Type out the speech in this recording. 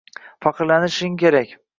faxrlanishing kerak